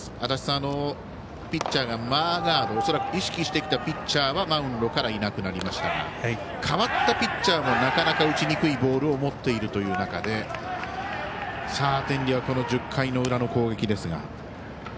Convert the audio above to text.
足達さん、ピッチャーのマーガード恐らく意識してきたピッチャーはマウンドからいなくなりましたが代わったピッチャーもなかなか打ちにくいボールを持っているという中で、天理はこの１０回の裏の攻撃ですが。